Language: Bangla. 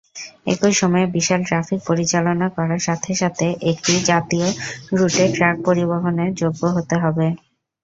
একই সময়ে বিশাল ট্র্যাফিক পরিচালনা করার সাথে সাথে একটি জাতীয় রুটের ট্রাক পরিবহনের যোগ্য হতে হবে।